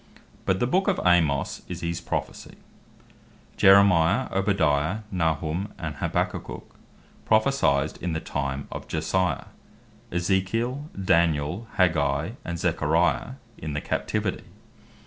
But the Book of Amos is his Prophecy. Jeremiah, Abdias, Nahum, and Habakkuk prophecyed in the time of Josiah. Ezekiel, Daniel, Aggeus, and Zacharias, in the Captivity.